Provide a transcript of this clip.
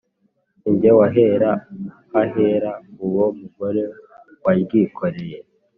Si jye wahera hahera uwo mugore waryikoreye